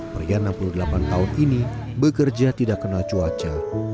pria enam puluh delapan tahun ini bekerja tidak kenal cuaca